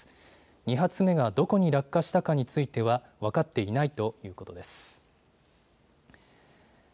２発目がどこに落下したかについては分かっていないということです。